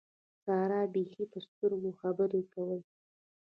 سارا بېخي په سترګو خبرې کولې.